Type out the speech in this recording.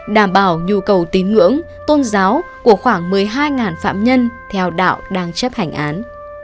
đảm bảo nhu cầu tín ngưỡng tôn giáo của khoảng một mươi hai phạm nhân theo đạo đang chấp hành án